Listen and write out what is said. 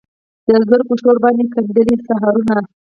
د زرکو شور باندې ګندلې سحرونه